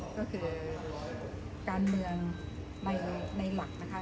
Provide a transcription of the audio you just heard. ก็คือการเมืองในหลักนะคะ